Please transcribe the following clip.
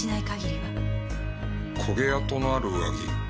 焦げ跡のある上着？